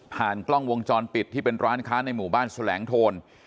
กล้องวงจรปิดที่เป็นร้านค้าในหมู่บ้านแสลงโทน